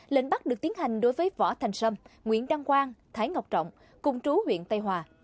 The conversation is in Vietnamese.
lệnh bắt được tiến hành đối với võ thành sâm nguyễn đăng quang thái ngọc trọng cùng chú huyện tây hòa